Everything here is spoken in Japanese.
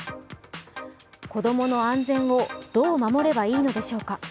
子供の安全をどう守ればいいのでしょうか。